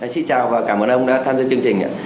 xin chào và cảm ơn ông đã tham gia chương trình